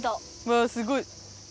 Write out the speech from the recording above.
わあすごい。